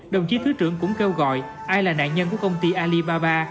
đồng chí thứ trưởng cũng kêu gọi ai là nạn nhân của công ty alibaba